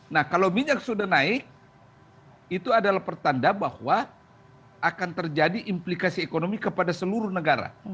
nah kalau minyak sudah naik itu adalah pertanda bahwa akan terjadi implikasi ekonomi kepada seluruh negara